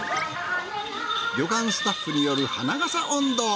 旅館スタッフによる花笠音頭。